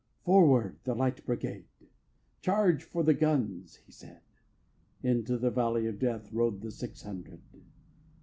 "Forward, the Light Brigade! "Charge for the guns!" he said: Into the valley of Death Rode the six hundred.